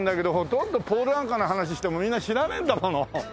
ほとんどポール・アンカの話してもみんな知らないんだもの。